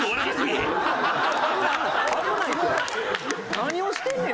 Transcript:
何をしてんねん。